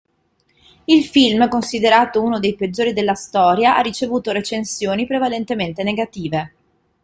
Il film, considerato uno dei peggiori della storia, ha ricevuto recensioni prevalentemente negative.